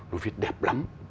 nó viết đẹp lắm